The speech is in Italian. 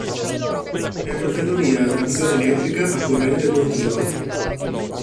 È una ferrovia a trazione elettrica a corrente continua.